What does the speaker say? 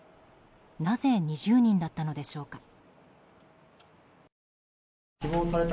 なぜ２０人だったのでしょうか。